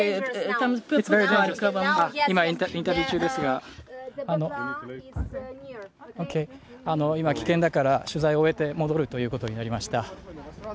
今、インタビュー中ですが、危険だから取材を終えて戻るということになりました。